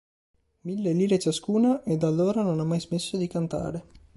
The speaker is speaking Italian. Mille lire ciascuna e da allora non ho mai smesso di cantare.